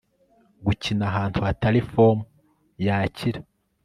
Gukina ahantu hatari form yakira